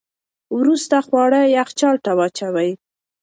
وروسته خواړه یخچال ته واچوئ.